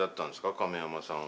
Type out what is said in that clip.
亀山さんは。